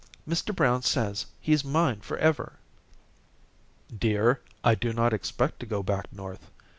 Mr. Brown says he's mine forever." "Dear, I do not expect to go back North.